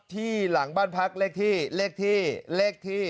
ที่หลังบ้านพักเลขที่เลขที่เลขที่